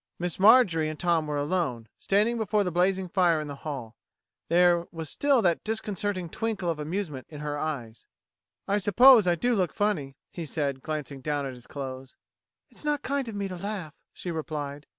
Miss Marjorie and Tom were alone, standing before the blazing fire in the hall. There was still that disconcerting twinkle of amusement in her eyes. "I suppose I do look funny," he said, glancing down at his clothes. "It's not kind of me to laugh," she replied.